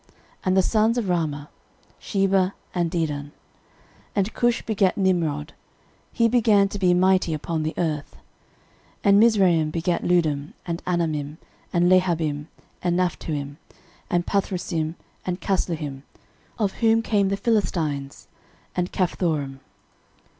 And the sons of Raamah; Sheba, and Dedan. 13:001:010 And Cush begat Nimrod: he began to be mighty upon the earth. 13:001:011 And Mizraim begat Ludim, and Anamim, and Lehabim, and Naphtuhim, 13:001:012 And Pathrusim, and Casluhim, (of whom came the Philistines,) and Caphthorim.